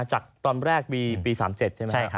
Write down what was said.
จากตอนแรกปี๑๙๓๗ใช่ไหมครับ